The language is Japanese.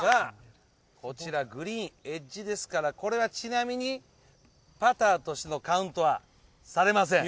こちらグリーンエッジですからこれはちなみにパターとしてのカウントはされません？